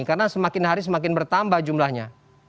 karena semakin hari semakin bertambah jumlahnya